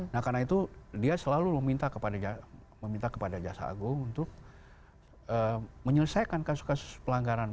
nah karena itu dia selalu meminta kepada jaksa agung untuk menyelesaikan kasus kasus pelanggaran